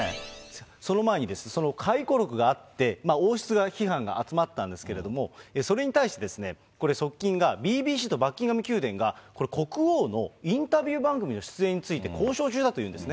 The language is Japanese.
その前にです、その回顧録があって、王室批判が集まったんですけれども、それに対して、これ、側近がＢＢＣとバッキンガム宮殿が、これ、国王のインタビュー番組の出演について交渉中だというんですね。